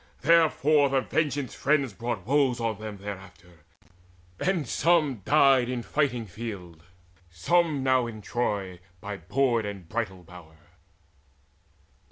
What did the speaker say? Therefore the Vengeance friends brought woes on them Thereafter, and some died in fighting field, Some now in Troy by board and bridal bower.